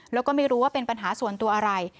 แล้วก็ไม่รู้ว่าเป็นปัญหาส่วนตัวอะไร